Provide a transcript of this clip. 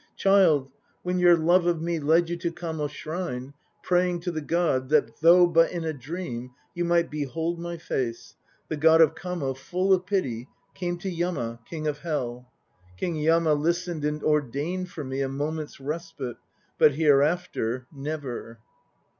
Child, when your love of me Led you to Kamo shrine, praying to the God That, though but in a dream, You might behold my face, The God of Kamo, full of pity, came To Yama, king of Hell. King Yama listened and ordained for me A moment's respite, but hereafter, never.